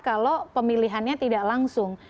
kalau pemilihannya tidak langsung